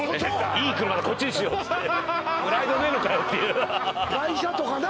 いい車だこっちにしようっつってプライドないのかよっていう外車とかな